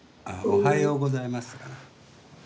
おはようございますかな。